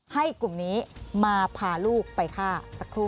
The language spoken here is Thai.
กลุ่มนี้มาพาลูกไปฆ่าสักครู่